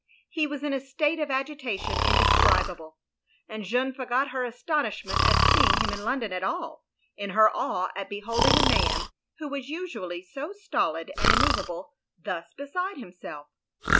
He was in a state of agitation indescribable; and Jeanne forgot her astonishment at seeing him in London at all, — ^in her awe at beholding a man who was usually so stolid and immovable thus beside himself.